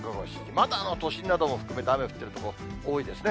まだ都心などを含めて、雨降ってる所、多いですね。